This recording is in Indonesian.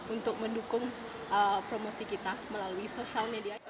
untuk mendukung promosi kita melalui sosial media